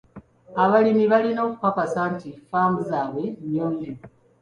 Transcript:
Abalimi balina okukakasa nti ffaamu zaabwe nnyonjo.